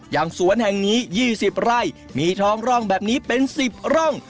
อย่างสวนแห่งนี้๒๐ไร่มีทองร่องแบบนี้เป็น๑๐ร่อง